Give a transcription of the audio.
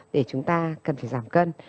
để chúng ta cần phải giảm cân